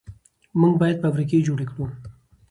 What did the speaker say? موږ باید فابریکې جوړې کړو.